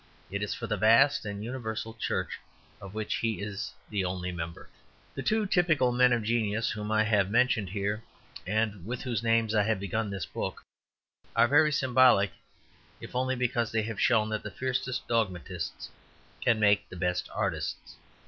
It is for the vast and universal church, of which he is the only member. The two typical men of genius whom I have mentioned here, and with whose names I have begun this book, are very symbolic, if only because they have shown that the fiercest dogmatists can make the best artists.